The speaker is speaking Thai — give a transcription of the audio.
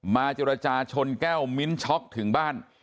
เจรจาชนแก้วมิ้นช็อกถึงบ้าน